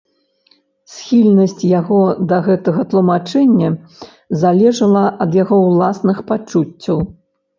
Схільнасць яго да гэтага тлумачэння залежала ад яго ўласных пачуццяў.